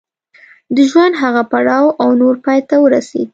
د ژوند هغه پړاو نور پای ته ورسېد.